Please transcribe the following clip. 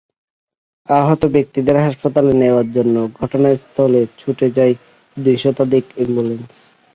আহত ব্যক্তিদের হাসপাতালে নেওয়ার জন্য ঘটনাস্থলে ছুটে যায় দুই শতাধিক অ্যাম্বুলেন্স।